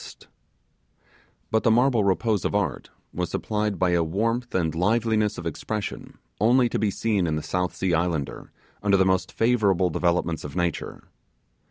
But the marble repose of art was supplied by a warmth and liveliness of expression only to be seen in the South Sea Islander under the most favourable developments of nature.